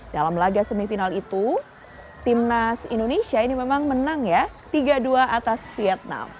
dalam laga semifinal itu timnas indonesia ini memang menang ya tiga dua atas vietnam